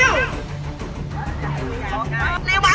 นั่งเป็นเปรียบเข้าวัดทำไมออกไป